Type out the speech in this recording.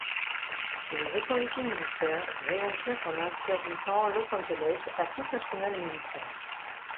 Les autorités militaires réagirent en interdisant Los Angeles à tout personnel militaire.